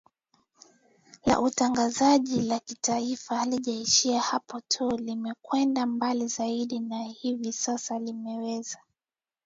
la Utangazaji la Taifa halijaishia hapo tu limekwenda mbali zaidi na hivi sasa linaweza